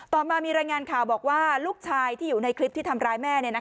ต่อมามีรายงานข่าวบอกว่าลูกชายที่อยู่ในคลิปที่ทำร้ายแม่